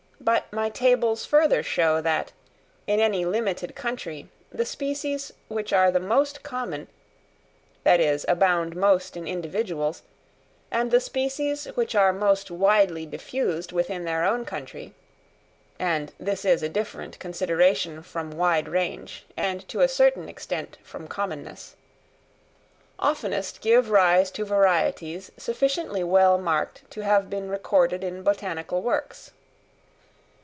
But my tables further show that, in any limited country, the species which are the most common, that is abound most in individuals, and the species which are most widely diffused within their own country (and this is a different consideration from wide range, and to a certain extent from commonness), oftenest give rise to varieties sufficiently well marked to have been recorded in botanical works.